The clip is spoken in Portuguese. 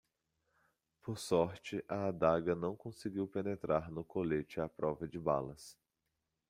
Por sorte, a adaga não conseguiu penetrar no colete à prova de balas.